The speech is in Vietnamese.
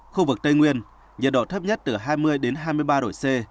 khu vực tây nguyên nhiệt độ thấp nhất từ hai mươi đến hai mươi ba độ c